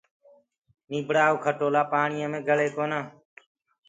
نيٚڀڙآ ڪو کٽولآ پآڻيو مي گݪي ڪونآ